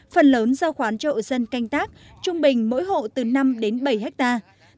phần lớn do khoán trộ dân canh tác trung bình mỗi hộ từ năm bảy hectare